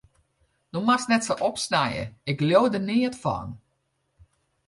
Do moatst net sa opsnije, ik leau der neat fan.